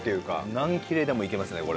何切れでもいけますねこれ。